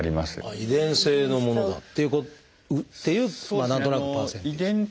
遺伝性のものだっていう何となくパーセンテージ。